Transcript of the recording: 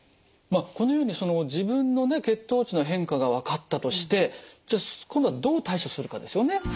まあこのようにその自分のね血糖値の変化が分かったとしてじゃあ今度はどう対処するかですよね。